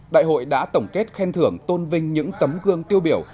đại hội đã tổng kết khen thưởng tôn vinh những tấm gương tiêu biểu